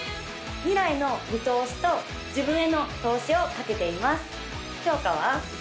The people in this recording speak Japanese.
未来の見通しと自分への投資をかけていますきょうかは？